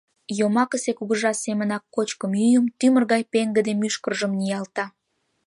Йомакысе кугыжа семынак кочкым-йӱым, — тӱмыр гай пеҥгыде мӱшкыржым ниялта.